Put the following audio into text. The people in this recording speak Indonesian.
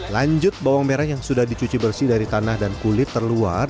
lanjut bawang merah yang sudah dicuci bersih dari tanah dan kulit terluar